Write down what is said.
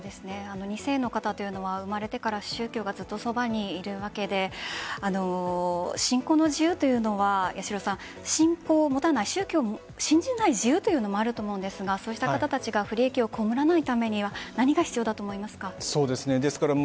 ２世の方というのは生まれてから宗教がずっとそばにいるわけで信仰の自由というのは信仰を持たない宗教を信じない自由もあると思うんですが不利益を被らないためには何が必要だと思いますか？